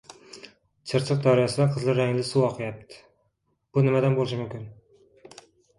Chirchiq daryosida qizil rangli suv oqyapti. Bu nima bo‘lishi mumkin?